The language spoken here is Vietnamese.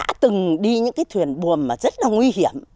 nó từng đi những cái thuyền buồm mà rất là nguy hiểm